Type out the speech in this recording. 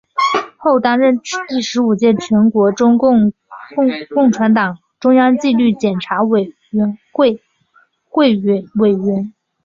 后担任第十五届全国中国共产党中央纪律检查委员会委员。